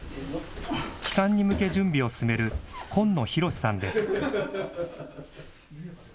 帰還に向け、準備を進める紺野宏さんです。